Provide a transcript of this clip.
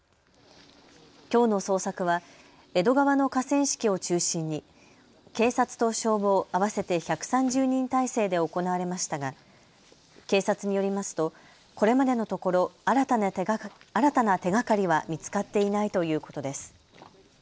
きょうの捜索は江戸川の河川敷を中心に警察と消防、合わせて１３０人態勢で行われましたが警察によりますとこれまでのところ、新たな手がかりは見つかっていないということです。